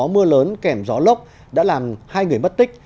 mưa lớn kèm gió lốc đã làm hai người mất tích